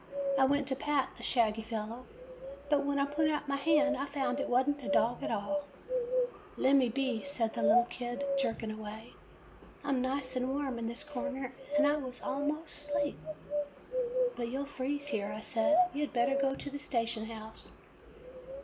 I went to pat the shaggy fellow, but when I put out my hand I found it was n't a dog at all. '' 'Lemme be,' said the little kid, jerking away. 'I 'm nice and warm in this corner, and I was 'most asleep.' " 'But you 'll freeze here,' I said. 'You had better go to the station house.